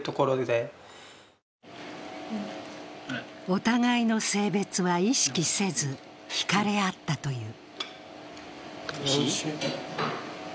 お互いの性別は意識せずひかれ合ったという。